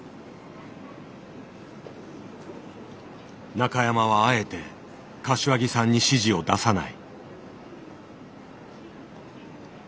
中山はあえて柏木さんに指示を出さない。